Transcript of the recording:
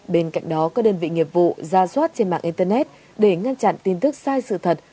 bên cạnh đó các đơn vị nghiệp vụ ra soát trên mạng internet để ngăn chặn tin tức sai sự thật